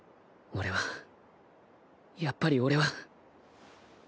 俺はやっぱり俺は